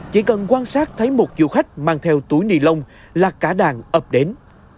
chỉ cần quan sát thấy một du khách mang theo túi ni lông là cả đàn ập đến